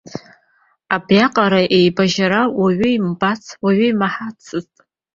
Абриаҟара еибажьара уаҩы имбацт, уаҩы имаҳацт!